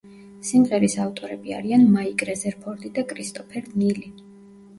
სიმღერის ავტორები არიან მაიკ რეზერფორდი და კრისტოფერ ნილი.